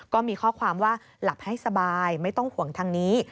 ก็มีข้อความว่าหลับให้สบายไม่ต้องห่วงทางนี้